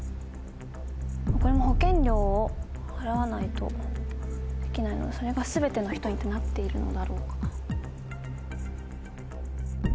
これも保険料を払わないとできないのでそれが全ての人にってなっているのだろうか。